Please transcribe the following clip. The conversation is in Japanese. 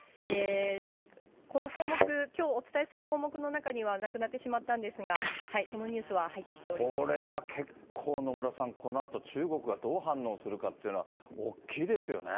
この項目、きょうお伝えする項目の中にはなくなってしまったんですが、そのこれは結構、野村さん、このあと中国がどう反応するかっていうのは、大きいですよね。